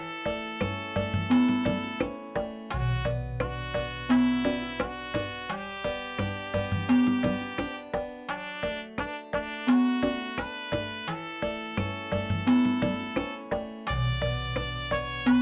mereka dulu lagi israel nurse itu